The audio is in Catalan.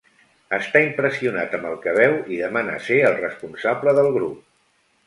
Està impressionat amb el que veu i demana ser el responsable del grup.